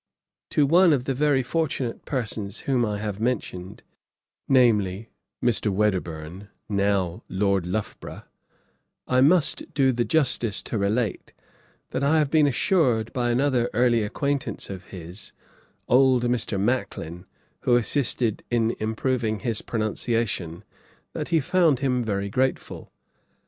To one of the very fortunate persons whom I have mentioned, namely, Mr. Wedderburne, now Lord Loughborough, I must do the justice to relate, that I have been assured by another early acquaintance of his, old Mr. Macklin, who assisted in improving his pronunciation, that he found him very grateful.